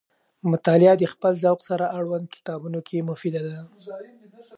مطالعه د خپل ذوق سره اړوند کتابونو کې مفیده ده.